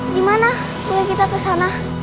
gimana boleh kita ke sana